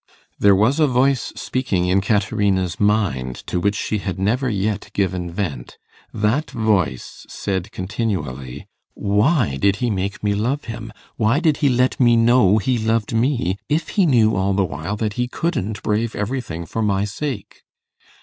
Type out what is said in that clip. There was a voice speaking in Caterina's mind to which she had never yet given vent. That voice said continually, 'Why did he make me love him why did he let me know he loved me, if he knew all the while that he couldn't brave everything for my sake?